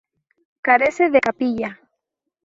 Carece de capilla.